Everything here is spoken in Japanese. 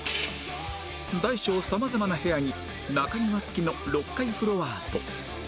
大小様々な部屋に中庭付きの６階フロアと